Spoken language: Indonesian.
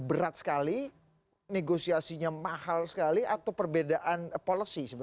berat sekali negosiasinya mahal sekali atau perbedaan policy sebenarnya